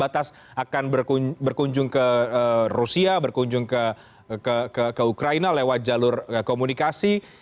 batas akan berkunjung ke rusia berkunjung ke ukraina lewat jalur komunikasi